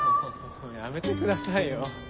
もうやめてくださいよ。